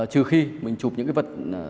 trừ khi mình chụp những cái vật